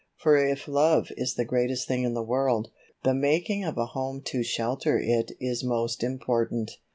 For if love is the greatest thing in the world, the making of a home to shelter it is most important.